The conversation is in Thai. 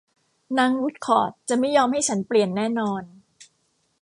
นางวูดคอร์ทจะไม่ยอมให้ฉันเปลี่ยนแน่นอน